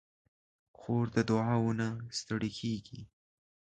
خور د دعاوو نه ستړې کېږي.